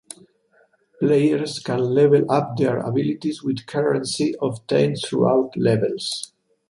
Players can level up their abilities with currency obtained throughout levels.